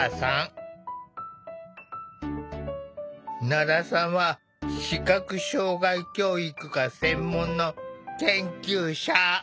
奈良さんは視覚障害教育が専門の研究者。